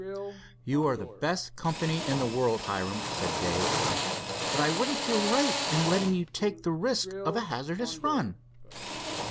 "You are the best company in the world, Hiram," said Dave, "but I wouldn't feel right in letting you take the risk of a hazardous run."